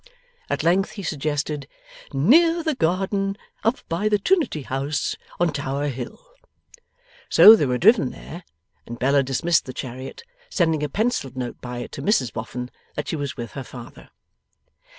At length he suggested, 'Near the garden up by the Trinity House on Tower Hill.' So, they were driven there, and Bella dismissed the chariot; sending a pencilled note by it to Mrs Boffin, that she was with her father.